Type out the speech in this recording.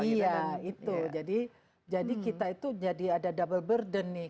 iya itu jadi kita itu jadi ada double burden nih